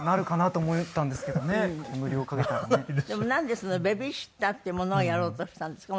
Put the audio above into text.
でもなんでベビーシッターっていうものをやろうとしたんですか？